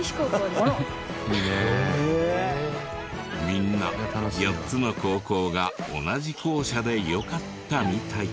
みんな４つの高校が同じ校舎でよかったみたい。